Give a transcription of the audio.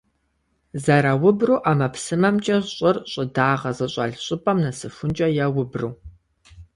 Зэраубру ӀэмэпсымэмкӀэ щӀыр щӀыдагъэ зыщӀэлъ щӀыпӀэм нэсыхункӀэ яубру.